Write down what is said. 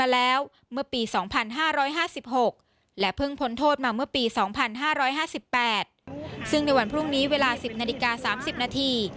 ๑๕๕๖และเพิ่งผลโทษมาเมื่อปี๒๕๕๘ซึ่งในวันพรุ่งนี้เวลา๑๐นาฬิกา๓๐นาที